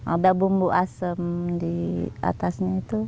ada bumbu asem di atasnya itu